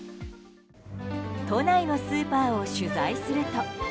都内のスーパーを取材すると。